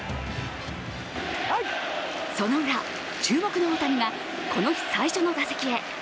そのウラ、注目の大谷がこの日最初の打席へ。